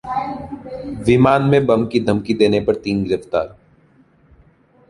विमान में बम की धमकी देने पर तीन गिरफ्तार